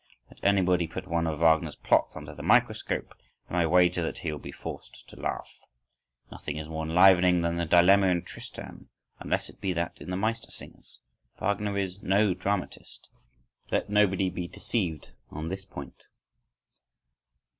Let anybody put one of Wagner's "plots" under the microscope, and I wager that he will be forced to laugh. Nothing is more enlivening than the dilemma in "Tristan," unless it be that in the "Mastersingers." Wagner is no dramatist; let nobody be deceived on this point.